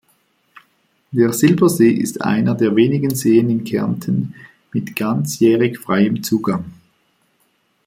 Der Silbersee ist einer der wenigen Seen in Kärnten mit ganzjährig freiem Zugang.